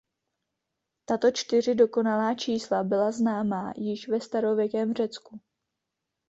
Tato čtyři dokonalá čísla byla známa již ve starověkém Řecku.